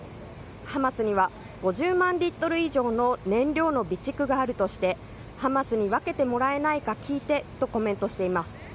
ハマスには５０万リットル以上の燃料の備蓄があるとしてハマスに分けてもらえないか聞いてとコメントしています。